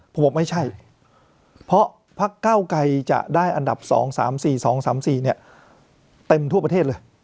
ผมบอกไม่ใช่เพราะพักเก้าไกรจะได้อันดับ๒๓๔๒๓๔เต็มทั่วประเทศเลย